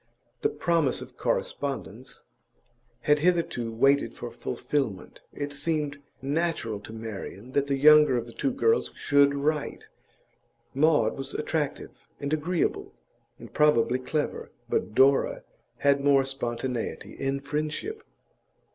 The promise of correspondence had hitherto waited for fulfilment. It seemed natural to Marian that the younger of the two girls should write; Maud was attractive and agreeable, and probably clever, but Dora had more spontaneity in friendship.